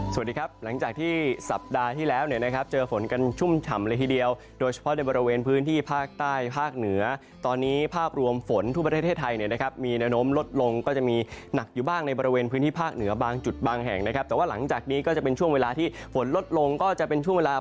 สวัสดีครับหลังจากที่สัปดาห์ที่แล้วเนี่ยนะครับเจอฝนกันชุ่มฉ่ำเลยทีเดียวโดยเฉพาะในบริเวณพื้นที่ภาคใต้ภาคเหนือตอนนี้ภาพรวมฝนทั่วประเทศไทยเนี่ยนะครับมีแนวโน้มลดลงก็จะมีหนักอยู่บ้างในบริเวณพื้นที่ภาคเหนือบางจุดบางแห่งนะครับแต่ว่าหลังจากนี้ก็จะเป็นช่วงเวลาที่ฝนลดลงก็จะเป็นช่วงเวลา